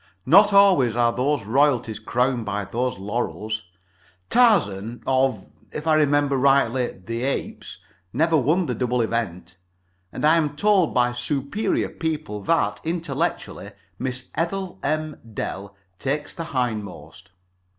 Not always are those royalties crowned by those laurels. Tarzan (of, if I remember rightly, the Apes) never won the double event. And I am told by superior people that, intellectually, Miss Ethel M. Dell takes the hindmost.